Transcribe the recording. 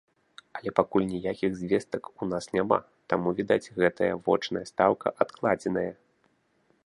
Але пакуль ніякіх звестак ў нас няма, таму, відаць, гэтая вочная стаўка адкладзеная.